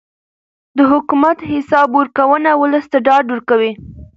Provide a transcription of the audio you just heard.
د حکومت حساب ورکونه ولس ته ډاډ ورکوي